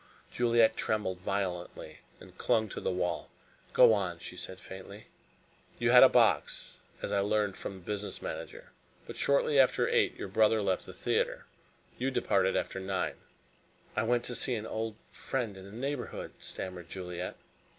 Juliet trembled violently and clung to the wall. "Go on," she said faintly. "You had a box, as I learned from the business manager. But shortly after eight your brother left the theatre: you departed after nine." "I went to see an old friend in the neighborhood," stammered Juliet.